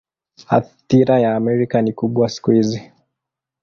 Athira ya Amerika ni kubwa siku hizi.